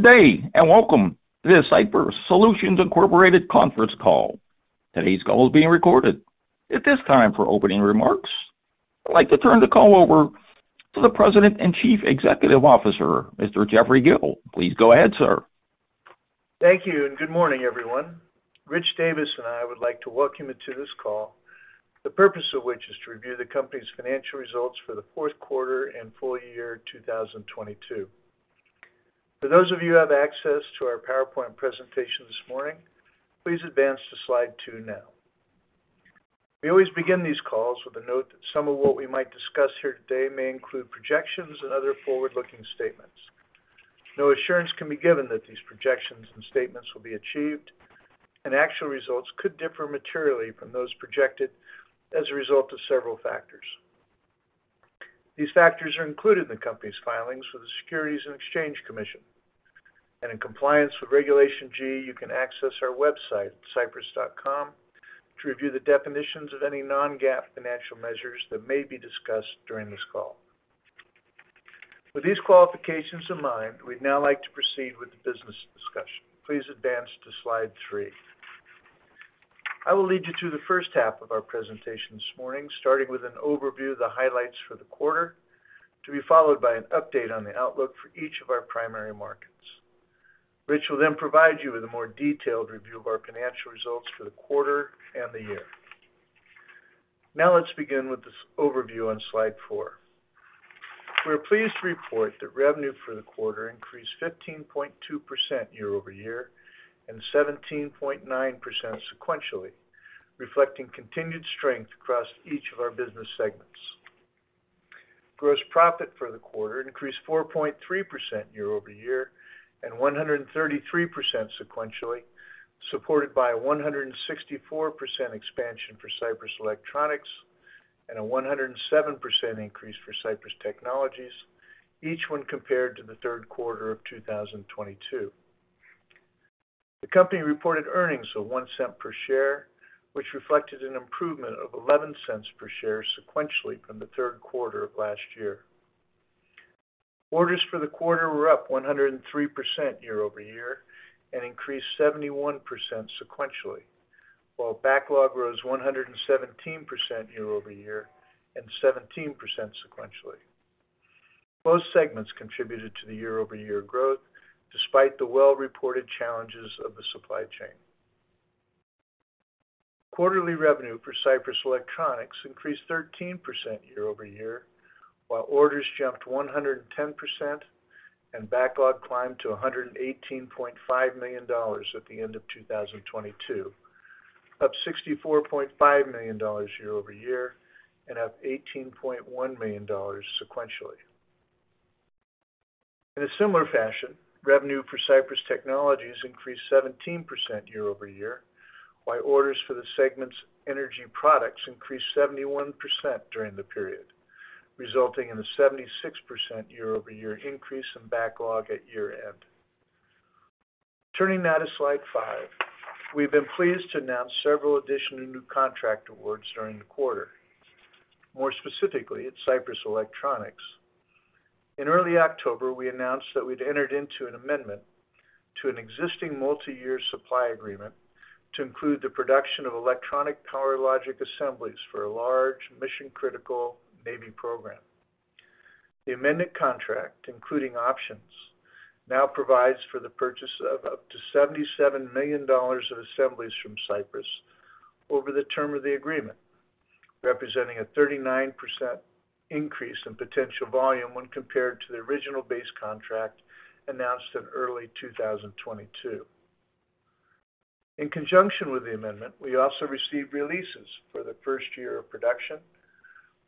Good day. Welcome to the Sypris Solutions Incorporated Conference Call. Today's call is being recorded. At this time, for opening remarks, I'd like to turn the call over to the President and Chief Executive Officer, Mr. Jeffrey Gill. Please go ahead, sir. Thank you, and good morning, everyone. Rich Davis and I would like to welcome you to this call, the purpose of which is to review the company's financial results for the fourth quarter and full year 2022. For those of you who have access to our PowerPoint presentation this morning, please advance to slide two now. We always begin these calls with a note that some of what we might discuss here today may include projections and other forward-looking statements. No assurance can be given that these projections and statements will be achieved, and actual results could differ materially from those projected as a result of several factors. These factors are included in the company's filings with the Securities and Exchange Commission. In compliance with Regulation G, you can access our website, sypris.com, to review the definitions of any non-GAAP financial measures that may be discussed during this call. With these qualifications in mind, we'd now like to proceed with the business discussion. Please advance to slide three. I will lead you to the first half of our presentation this morning, starting with an overview of the highlights for the quarter, to be followed by an update on the outlook for each of our primary markets. Rich will provide you with a more detailed review of our financial results for the quarter and the year. Let's begin with this overview on slide four. We're pleased to report that revenue for the quarter increased 15.2% year-over-year and 17.9% sequentially, reflecting continued strength across each of our business segments. Gross profit for the quarter increased 4.3% year-over-year and 133% sequentially, supported by a 164% expansion for Sypris Electronics and a 107% increase for Sypris Technologies, each one compared to the third quarter of 2022. The company reported earnings of $0.01 per share, which reflected an improvement of $0.11 per share sequentially from the third quarter of last year. Orders for the quarter were up 103% year-over-year and increased 71% sequentially, while backlog rose 117% year-over-year and 17% sequentially. Most segments contributed to the year-over-year growth, despite the well-reported challenges of the supply chain. Quarterly revenue for Sypris Electronics increased 13% year-over-year, while orders jumped 110% and backlog climbed to $118.5 million at the end of 2022, up $64.5 million year-over-year and up $18.1 million sequentially. In a similar fashion, revenue for Sypris Technologies increased 17% year-over-year, while orders for the segment's energy products increased 71% during the period, resulting in a 76% year-over-year increase in backlog at year-end. Turning now to slide five. We've been pleased to announce several additional new contract awards during the quarter. More specifically, at Sypris Electronics. In early October, we announced that we'd entered into an amendment to an existing multi-year supply agreement to include the production of electronic power logic assemblies for a large mission-critical Navy program. The amended contract, including options, now provides for the purchase of up to $77 million of assemblies from Sypris over the term of the agreement, representing a 39% increase in potential volume when compared to the original base contract announced in early 2022. In conjunction with the amendment, we also received releases for the first year of production,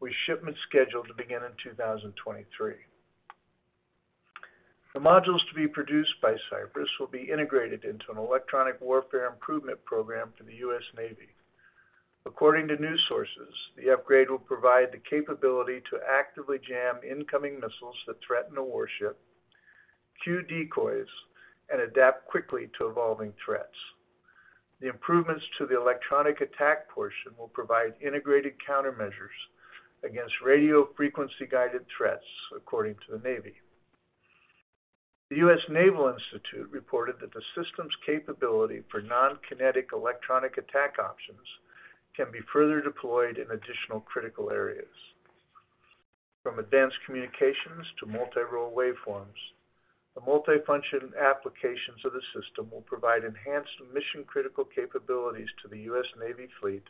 with shipments scheduled to begin in 2023. The modules to be produced by Sypris will be integrated into an electronic warfare improvement program for the U.S. Navy. According to news sources, the upgrade will provide the capability to actively jam incoming missiles that threaten a warship, cue decoys, and adapt quickly to evolving threats. The improvements to the electronic attack portion will provide integrated countermeasures against radio frequency-guided threats, according to the Navy. The U.S. Naval Institute reported that the system's capability for non-kinetic electronic attack options can be further deployed in additional critical areas. From advanced communications to multi-role waveforms, the multifunction applications of the system will provide enhanced mission-critical capabilities to the U.S. Navy fleet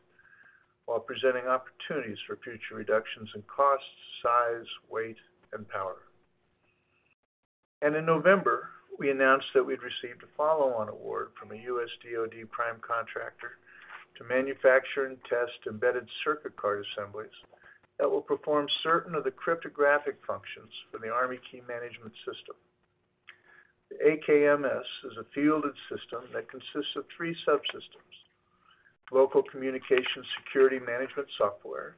while presenting opportunities for future reductions in cost, size, weight, and power. In November, we announced that we'd received a follow-on award from a U.S. DOD prime contractor to manufacture and test embedded circuit card assemblies that will perform certain of the cryptographic functions for the Army Key Management System. The AKMS is a fielded system that consists of three subsystems: Local Communications Security Management Software,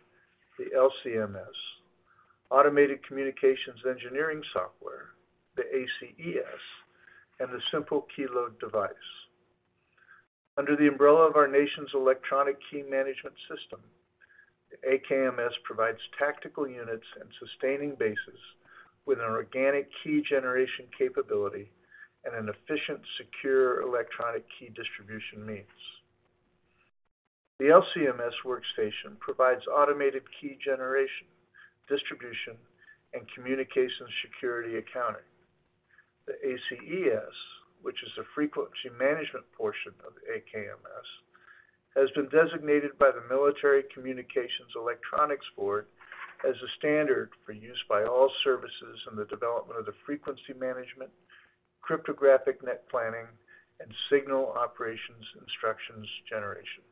the LCMS, Automated Communications Engineering Software, the ACES, and the simple key load device. Under the umbrella of our nation's Electronic Key Management System, the AKMS provides tactical units and sustaining bases with an organic key generation capability and an efficient, secure electronic key distribution means. The LCMS workstation provides automated key generation, distribution, and communication security accounting. The ACES, which is a frequency management portion of AKMS, has been designated by the Military Communications-Electronics Board as a standard for use by all services in the development of the frequency management, cryptographic net planning, and signal operations instructions generation.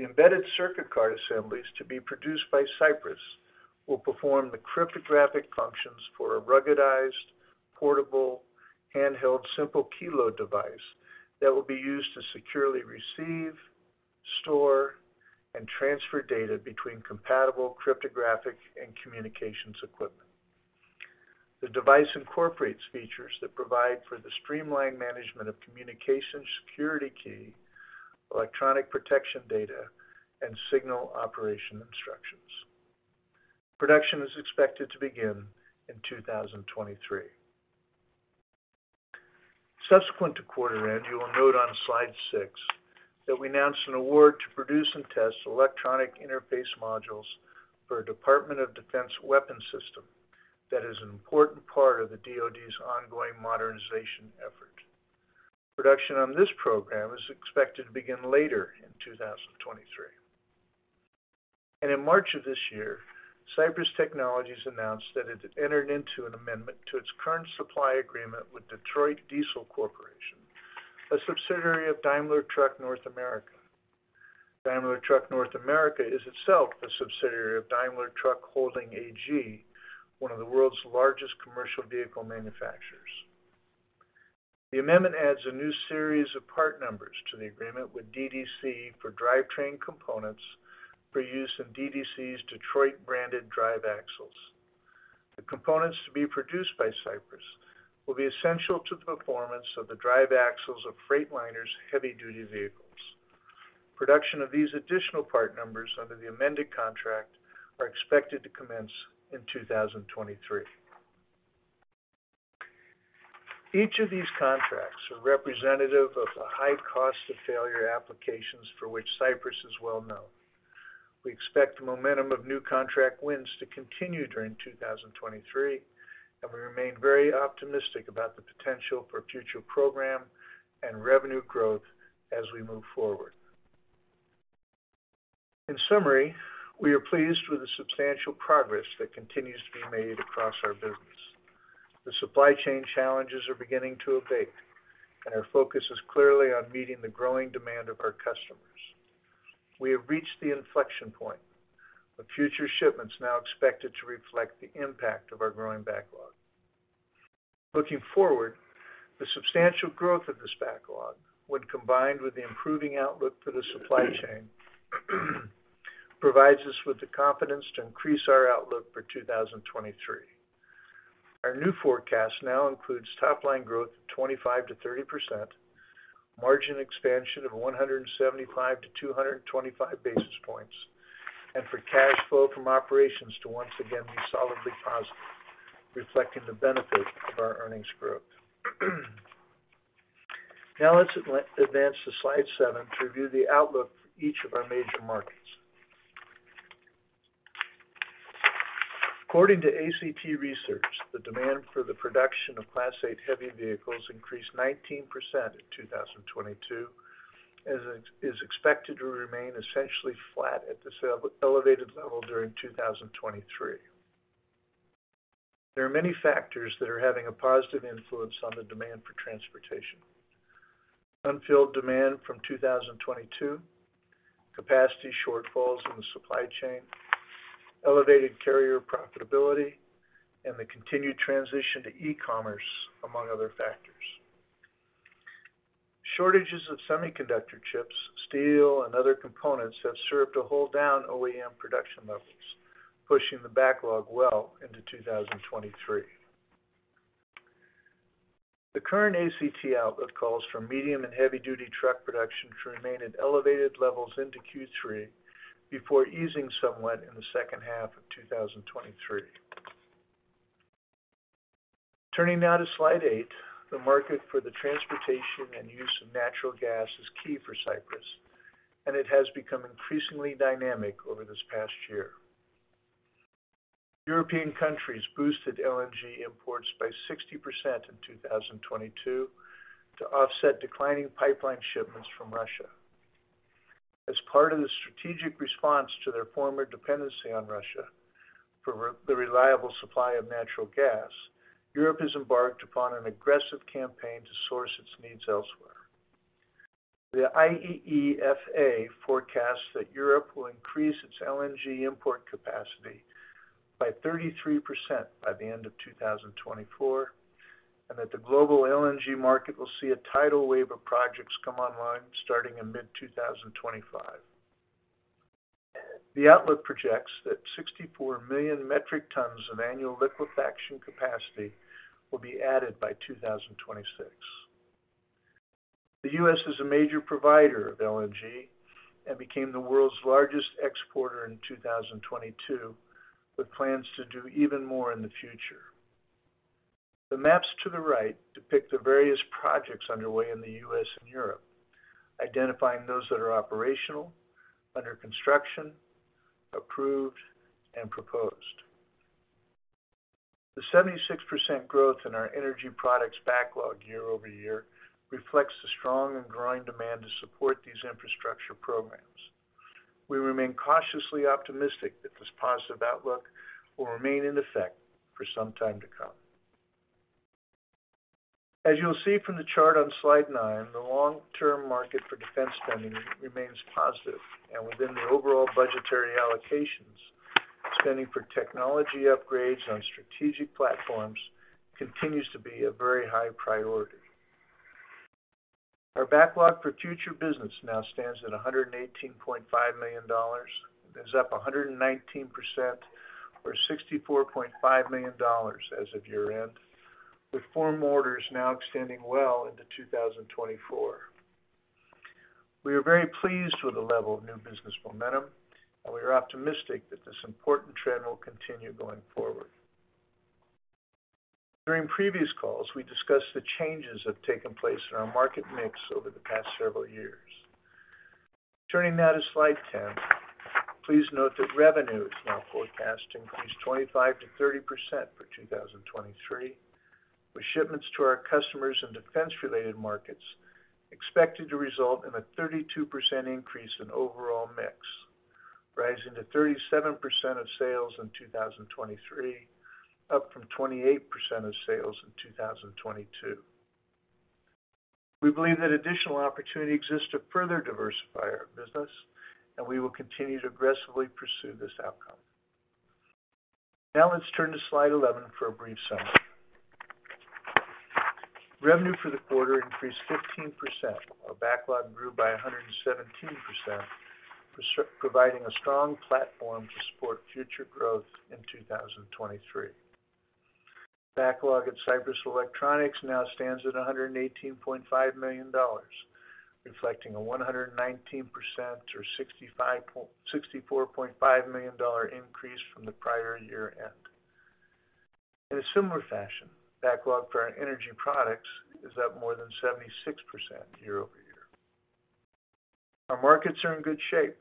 The embedded circuit card assemblies to be produced by Sypris will perform the cryptographic functions for a ruggedized, portable, handheld, simple key load device that will be used to securely receive, store, and transfer data between compatible cryptographic and communications equipment. The device incorporates features that provide for the streamlined management of communication security key, electronic protection data, and signal operation instructions. Production is expected to begin in 2023. Subsequent to quarter end, you will note on slide six that we announced an award to produce and test electronic interface modules for a Department of Defense weapons system that is an important part of the DoD's ongoing modernization effort. Production on this program is expected to begin later in 2023. In March of this year, Sypris Technologies announced that it had entered into an amendment to its current supply agreement with Detroit Diesel Corporation, a subsidiary of Daimler Truck North America. Daimler Truck North America is itself a subsidiary of Daimler Truck Holding AG, one of the world's largest commercial vehicle manufacturers. The amendment adds a new series of part numbers to the agreement with DDC for drivetrain components for use in DDC's Detroit-branded drive axles. The components to be produced by Sypris will be essential to the performance of the drive axles of Freightliner's heavy-duty vehicles. Production of these additional part numbers under the amended contract are expected to commence in 2023. Each of these contracts are representative of the high cost of failure applications for which Sypris is well known. We expect the momentum of new contract wins to continue during 2023. We remain very optimistic about the potential for future program and revenue growth as we move forward. In summary, we are pleased with the substantial progress that continues to be made across our business. The supply chain challenges are beginning to abate. Our focus is clearly on meeting the growing demand of our customers. We have reached the inflection point, with future shipments now expected to reflect the impact of our growing backlog. Looking forward, the substantial growth of this backlog, when combined with the improving outlook for the supply chain, provides us with the confidence to increase our outlook for 2023. Our new forecast now includes top-line growth of 25%-30%, margin expansion of 175-225 basis points, and for cash flow from operations to once again be solidly positive, reflecting the benefit of our earnings growth. Let's advance to slide seven to review the outlook for each of our major markets. According to ACT Research, the demand for the production of Class 8 heavy vehicles increased 19% in 2022, as it is expected to remain essentially flat at this elevated level during 2023. There are many factors that are having a positive influence on the demand for transportation. Unfilled demand from 2022, capacity shortfalls in the supply chain, elevated carrier profitability, and the continued transition to e-commerce, among other factors. Shortages of semiconductor chips, steel, and other components have served to hold down OEM production levels, pushing the backlog well into 2023. The current ACT outlook calls for medium and heavy-duty truck production to remain at elevated levels into Q3 before easing somewhat in the second half of 2023. Turning now to slide eight, the market for the transportation and use of natural gas is key for Sypris, and it has become increasingly dynamic over this past year. European countries boosted LNG imports by 60% in 2022 to offset declining pipeline shipments from Russia. As part of the strategic response to their former dependency on Russia for the reliable supply of natural gas, Europe has embarked upon an aggressive campaign to source its needs elsewhere. The IEEFA forecasts that Europe will increase its LNG import capacity by 33% by the end of 2024 and that the global LNG market will see a tidal wave of projects come online starting in mid-2025. The outlook projects that 64 million metric tons of annual liquefaction capacity will be added by 2026. The U.S. is a major provider of LNG and became the world's largest exporter in 2022, with plans to do even more in the future. The maps to the right depict the various projects underway in the U.S. and Europe, identifying those that are operational, under construction, approved, and proposed. The 76% growth in our energy products backlog year-over-year reflects the strong and growing demand to support these infrastructure programs. We remain cautiously optimistic that this positive outlook will remain in effect for some time to come. As you'll see from the chart on slide nine, the long-term market for defense spending remains positive and within the overall budgetary allocations. Spending for technology upgrades on strategic platforms continues to be a very high priority. Our backlog for future business now stands at $118.5 million, and is up 119%, or $64.5 million as of year-end, with firm orders now extending well into 2024. We are very pleased with the level of new business momentum, and we are optimistic that this important trend will continue going forward. During previous calls, we discussed the changes that have taken place in our market mix over the past several years. Turning now to slide 10, please note that revenue is now forecast to increase 25%-30% for 2023, with shipments to our customers in defense-related markets expected to result in a 32% increase in overall mix, rising to 37% of sales in 2023, up from 28% of sales in 2022. We believe that additional opportunity exists to further diversify our business. We will continue to aggressively pursue this outcome. Now let's turn to slide 11 for a brief summary. Revenue for the quarter increased 15%, while backlog grew by 117%, providing a strong platform to support future growth in 2023. Backlog at Sypris Electronics now stands at $118.5 million, reflecting a 119% or 65 point... $64.5 million increase from the prior year-end. In a similar fashion, backlog for our energy products is up more than 76% year-over-year. Our markets are in good shape.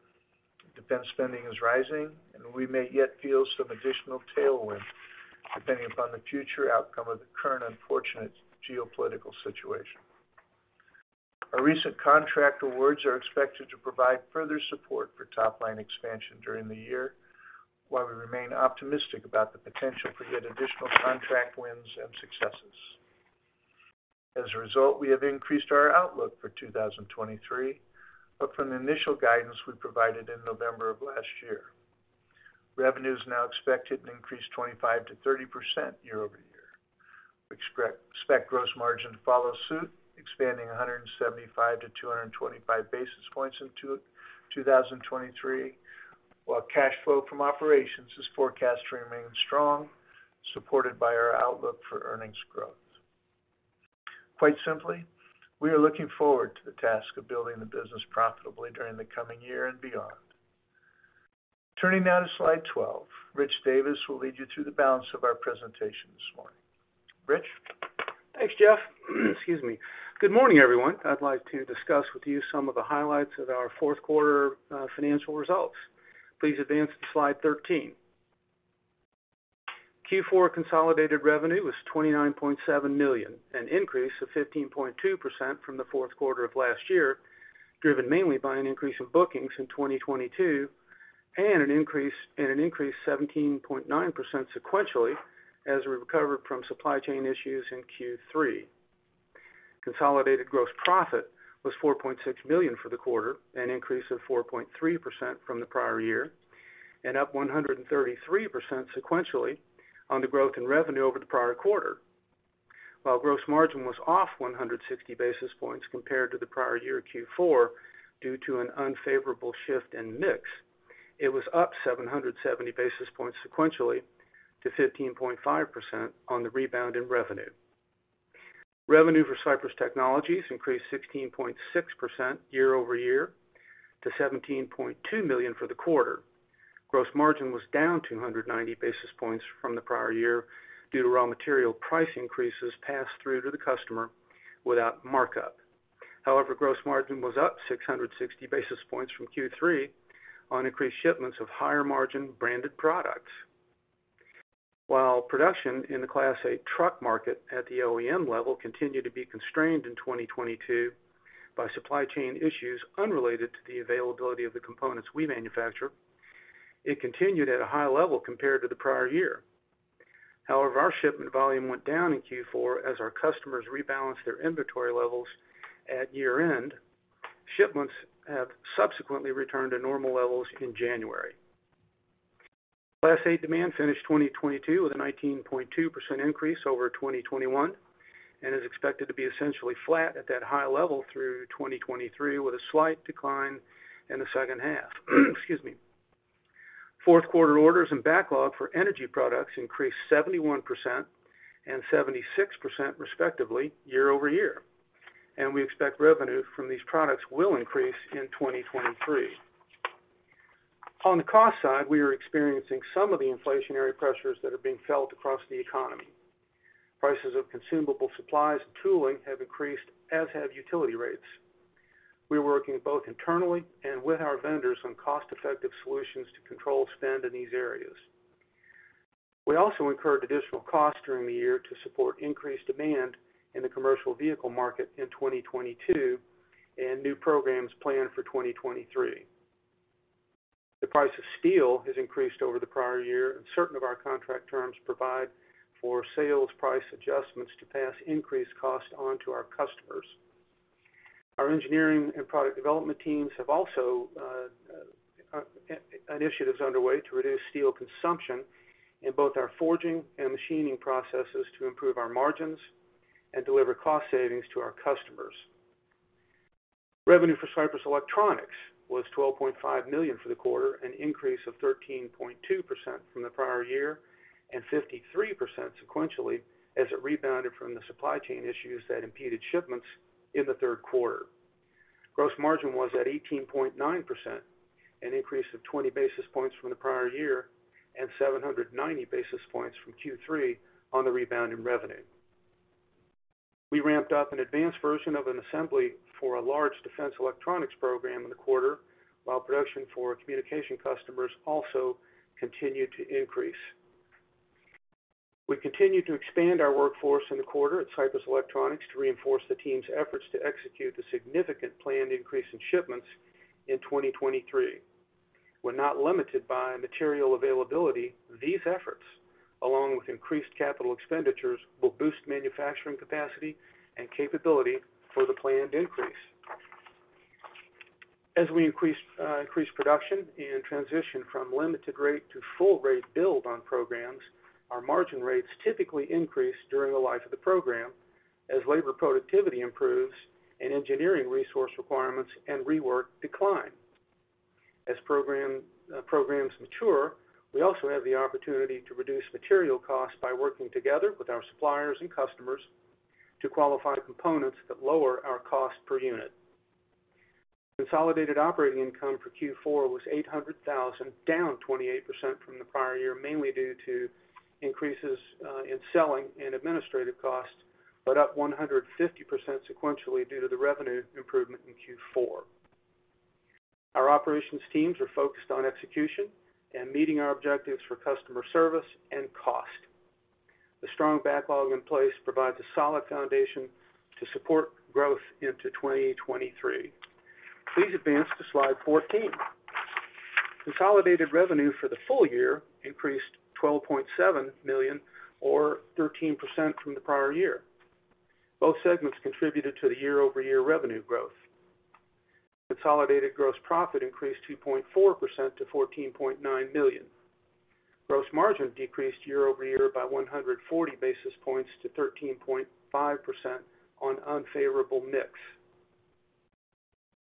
Defense spending is rising, and we may yet feel some additional tailwind depending upon the future outcome of the current unfortunate geopolitical situation. Our recent contract awards are expected to provide further support for top-line expansion during the year, while we remain optimistic about the potential for yet additional contract wins and successes. As a result, we have increased our outlook for 2023 up from the initial guidance we provided in November of last year. Revenue is now expected to increase 25%-30% year-over-year. We expect gross margin to follow suit, expanding 175-225 basis points in 2023, while cash flow from operations is forecast to remain strong, supported by our outlook for earnings growth. Quite simply, we are looking forward to the task of building the business profitably during the coming year and beyond. Turning now to slide 12, Rich Davis will lead you through the balance of our presentation this morning. Rich? Thanks, Jeff. Excuse me. Good morning, everyone. I'd like to discuss with you some of the highlights of our fourth quarter financial results. Please advance to slide 13. Q4 consolidated revenue was $29.7 million, an increase of 15.2% from the fourth quarter of last year, driven mainly by an increase in bookings in 2022, and an increased 17.9% sequentially as we recovered from supply chain issues in Q3. Consolidated gross profit was $4.6 million for the quarter, an increase of 4.3% from the prior year, and up 133% sequentially on the growth in revenue over the prior quarter. While gross margin was off 160 basis points compared to the prior year Q4 due to an unfavorable shift in mix, it was up 770 basis points sequentially to 15.5% on the rebound in revenue. Revenue for Sypris Technologies increased 16.6% year-over-year to $17.2 million for the quarter. Gross margin was down 290 basis points from the prior year due to raw material price increases passed through to the customer without markup. Gross margin was up 660 basis points from Q3 on increased shipments of higher margin branded products. While production in the Class 8 truck market at the OEM level continued to be constrained in 2022 by supply chain issues unrelated to the availability of the components we manufacture, it continued at a high level compared to the prior year. Our shipment volume went down in Q4 as our customers rebalanced their inventory levels at year-end. Shipments have subsequently returned to normal levels in January. Class 8 demand finished 2022 with a 19.2% increase over 2021, is expected to be essentially flat at that high level through 2023, with a slight decline in the second half. Excuse me. Fourth quarter orders and backlog for energy products increased 71% and 76% respectively year-over-year. We expect revenue from these products will increase in 2023. On the cost side, we are experiencing some of the inflationary pressures that are being felt across the economy. Prices of consumable supplies and tooling have increased, as have utility rates. We're working both internally and with our vendors on cost-effective solutions to control spend in these areas. We also incurred additional costs during the year to support increased demand in the commercial vehicle market in 2022 and new programs planned for 2023. The price of steel has increased over the prior year, and certain of our contract terms provide for sales price adjustments to pass increased costs on to our customers. Our engineering and product development teams have also initiatives underway to reduce steel consumption in both our forging and machining processes to improve our margins and deliver cost savings to our customers. Revenue for Sypris Electronics was $12.5 million for the quarter, an increase of 13.2% from the prior year, and 53% sequentially as it rebounded from the supply chain issues that impeded shipments in the third quarter. Gross margin was at 18.9%, an increase of 20 basis points from the prior year and 790 basis points from Q3 on the rebound in revenue. We ramped up an advanced version of an assembly for a large defense electronics program in the quarter, while production for communication customers also continued to increase. We continued to expand our workforce in the quarter at Sypris Electronics to reinforce the team's efforts to execute the significant planned increase in shipments in 2023. We're not limited by material availability. These efforts, along with increased capital expenditures, will boost manufacturing capacity and capability for the planned increase. As we increase production and transition from limited rate to full rate build on programs, our margin rates typically increase during the life of the program as labor productivity improves and engineering resource requirements and rework decline. As programs mature, we also have the opportunity to reduce material costs by working together with our suppliers and customers to qualify components that lower our cost per unit. Consolidated operating income for Q4 was $800,000, down 28% from the prior year, mainly due to increases in selling and administrative costs, but up 150% sequentially due to the revenue improvement in Q4. Our operations teams are focused on execution and meeting our objectives for customer service and cost. The strong backlog in place provides a solid foundation to support growth into 2023. Please advance to slide 14. Consolidated revenue for the full year increased $12.7 million or 13% from the prior year. Both segments contributed to the year-over-year revenue growth. Consolidated gross profit increased 2.4% to $14.9 million. Gross margin decreased year-over-year by 140 basis points to 13.5% on unfavorable mix.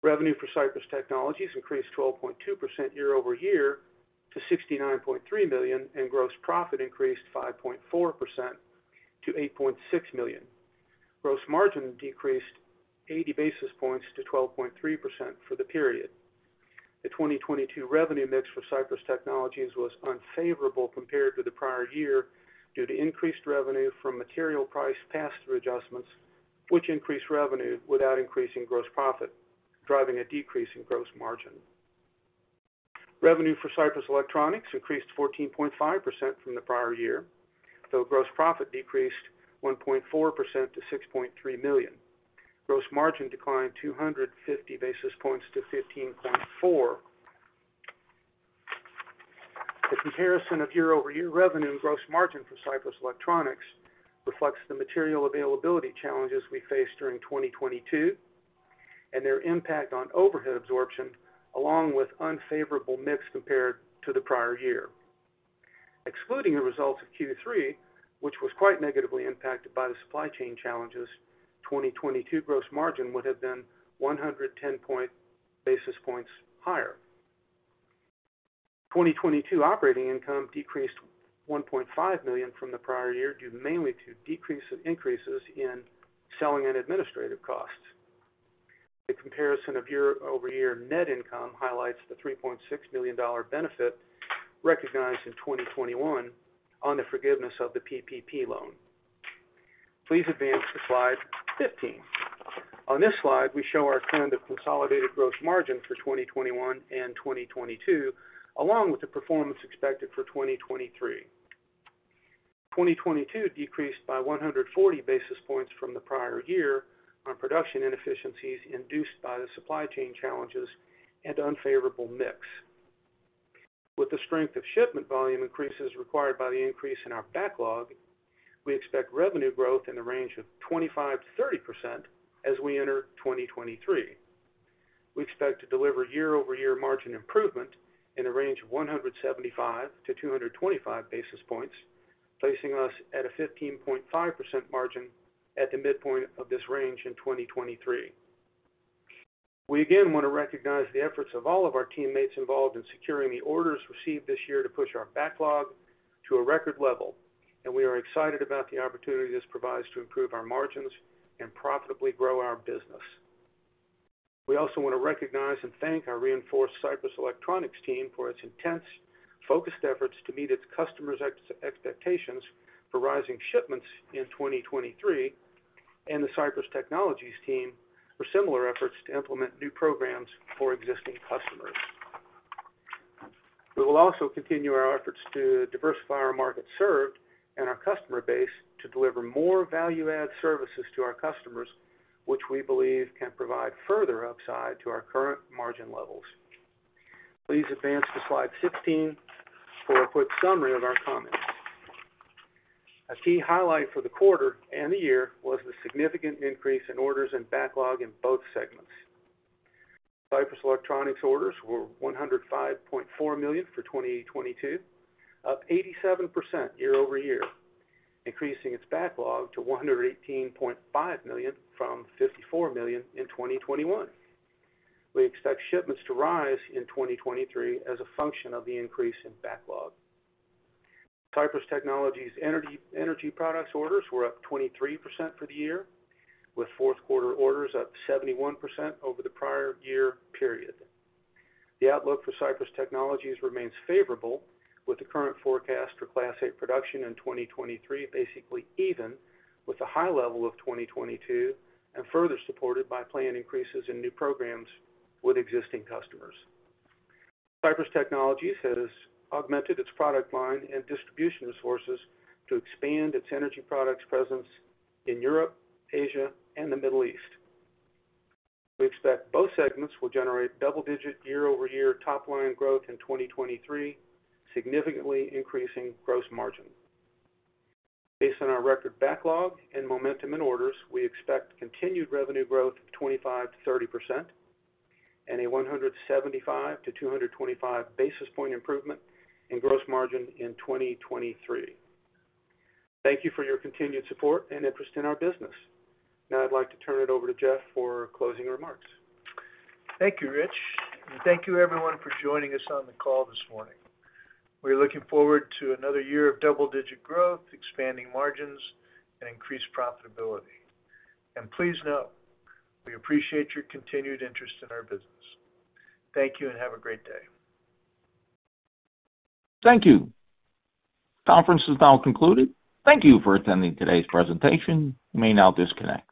Revenue for Sypris Technologies increased 12.2% year-over-year to $69.3 million, and gross profit increased 5.4% to $8.6 million. Gross margin decreased 80 basis points to 12.3% for the period. The 2022 revenue mix for Sypris Technologies was unfavorable compared to the prior year due to increased revenue from material price pass-through adjustments, which increased revenue without increasing gross profit, driving a decrease in gross margin. Revenue for Sypris Electronics increased 14.5% from the prior year, though gross profit decreased 1.4% to $6.3 million. Gross margin declined 250 basis points to 15.4%. The comparison of year-over-year revenue and gross margin for Sypris Electronics reflects the material availability challenges we faced during 2022 and their impact on overhead absorption, along with unfavorable mix compared to the prior year. Excluding the results of Q3, which was quite negatively impacted by the supply chain challenges, 2022 gross margin would have been 110 basis points higher. 2022 operating income decreased $1.5 million from the prior year due mainly to decrease of increases in selling and administrative costs. The comparison of year-over-year net income highlights the $3.6 million benefit recognized in 2021 on the forgiveness of the PPP loan. Please advance to slide 15. On this slide, we show our trend of consolidated gross margin for 2021 and 2022, along with the performance expected for 2023. 2022 decreased by 140 basis points from the prior year on production inefficiencies induced by the supply chain challenges and unfavorable mix. With the strength of shipment volume increases required by the increase in our backlog, we expect revenue growth in the range of 25%-30% as we enter 2023. We expect to deliver year-over-year margin improvement in the range of 175-225 basis points, placing us at a 15.5% margin at the midpoint of this range in 2023. We again wanna recognize the efforts of all of our teammates involved in securing the orders received this year to push our backlog to a record level. We are excited about the opportunity this provides to improve our margins and profitably grow our business. We also wanna recognize and thank our reinforced Sypris Electronics team for its intense, focused efforts to meet its customers' expectations for rising shipments in 2023, and the Sypris Technologies team for similar efforts to implement new programs for existing customers. We will also continue our efforts to diversify our market served and our customer base to deliver more value-add services to our customers, which we believe can provide further upside to our current margin levels. Please advance to slide 16 for a quick summary of our comments. A key highlight for the quarter and the year was the significant increase in orders and backlog in both segments. Sypris Electronics orders were $105.4 million for 2022, up 87% year-over-year, increasing its backlog to $118.5 million from $54 million in 2021. We expect shipments to rise in 2023 as a function of the increase in backlog. Sypris Technologies energy products orders were up 23% for the year, with fourth quarter orders up 71% over the prior year period. The outlook for Sypris Technologies remains favorable, with the current forecast for Class 8 production in 2023 basically even with the high level of 2022 and further supported by planned increases in new programs with existing customers. Sypris Technologies has augmented its product line and distribution resources to expand its energy products presence in Europe, Asia, and the Middle East. We expect both segments will generate double-digit year-over-year top line growth in 2023, significantly increasing gross margin. Based on our record backlog and momentum in orders, we expect continued revenue growth of 25%-30% and a 175-225 basis point improvement in gross margin in 2023. Thank you for your continued support and interest in our business. Now I'd like to turn it over to Jeff for closing remarks. Thank you, Rich, thank you everyone for joining us on the call this morning. We're looking forward to another year of double-digit growth, expanding margins, and increased profitability. Please know, we appreciate your continued interest in our business. Thank you, and have a great day. Thank you. Conference is now concluded. Thank you for attending today's presentation. You may now disconnect.